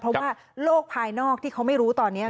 เพราะว่าโลกภายนอกที่เขาไม่รู้ตอนนี้